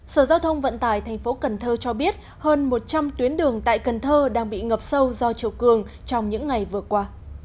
sở giao thông vận tải thành phố cần thơ cho biết hơn một trăm linh tuyến đường tại cần thơ đang bị ngập sâu do chiều cường trong những ngày vừa qua